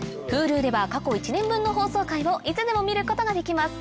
Ｈｕｌｕでは過去１年分の放送回をいつでも見ることができます